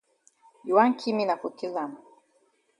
You wan ki me na for kill am.